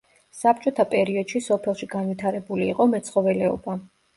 საბჭოთა პერიოდში სოფელში განვითარებული იყო მეცხოველეობა.